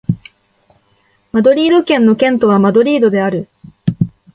マドリード県の県都はマドリードである